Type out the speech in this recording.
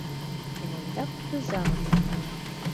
Эн ондак тудо залым ямдыла.